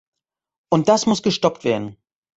Und das muss gestoppt werden.